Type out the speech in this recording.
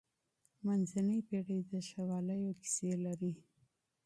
منځنۍ پېړۍ د شواليو کيسې لري.